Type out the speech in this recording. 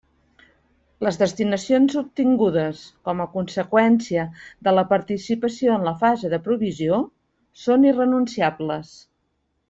Les destinacions obtingudes com a conseqüència de la participació en la fase de provisió són irrenunciables.